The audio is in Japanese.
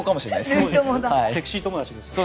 セクシー友達です。